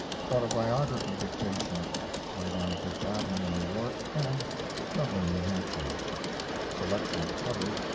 Autobiography dictation (21 Fifth Avenue, New York; and Dublin, New Hampshire) selections published, N.